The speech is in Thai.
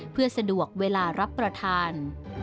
เพื่อสะดวกเวลารับประทาน